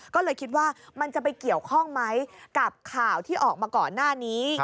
ก็เลยคิดว่ามันจะไปเกี่ยวข้องไหมกับข่าวที่ออกมาก่อนหน้านี้